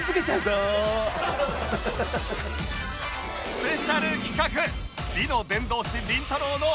スペシャル企画